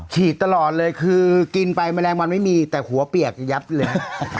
ตลอดเลยคือกินไปแมลงวันไม่มีแต่หัวเปียกยับเลย